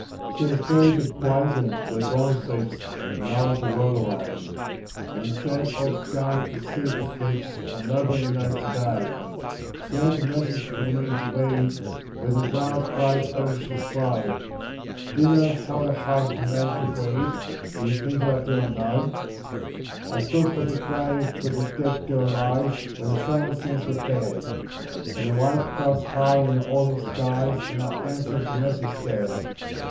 She was buried at Brighton, where Gordon sleeps, When I was a world away; And the sad old garden it's secret keeps, For nobody knows to day. She left a message for me to read, Where the wild wide oceans flow; Do you know how the heart of a man can bleed— Do you think that I do not know? I stood by the grave where the dead girl lies, When the sunlit scenes were fair, And the white clouds high in the autumn skies, And I answered the message there.